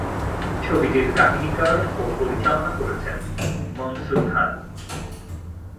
ছবিটির কাহিনীকার ও পরিচালনা করেছেন মনসুর খান।